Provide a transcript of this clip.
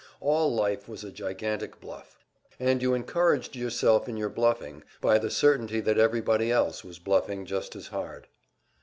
All life was a gigantic bluff, and you encouraged yourself in your bluffing by the certainty that everybody else was bluffing just as hard.